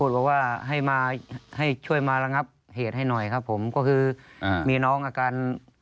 บอกว่าให้มาให้ช่วยมาระงับเหตุให้หน่อยครับผมก็คือมีน้องอาการ